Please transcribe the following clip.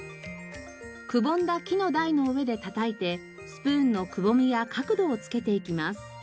くぼんだ木の台の上でたたいてスプーンのくぼみや角度をつけていきます。